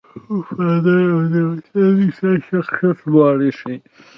وفاداري او زړورتیا د انسان د شخصیت لوړوالی ښيي.